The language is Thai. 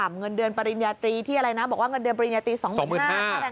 ขั้นต่ำเงินเดือนปริญญาตรีที่อะไรนะบอกว่าเงินเดือนปริญญาตรีสองหมื่นห้า